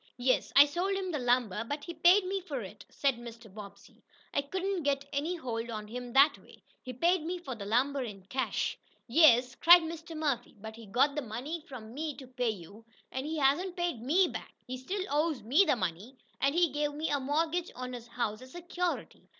"Yes, I sold him the lumber, but he paid me for it," said Mr. Bobbsey. "I couldn't get any hold on him that way. He paid for the lumber in cash." "Yes," cried Mr. Murphy, "but he got the money from me to pay you, and he hasn't paid ME back. He still owes ME the money, and he gave me a mortgage on his house as security.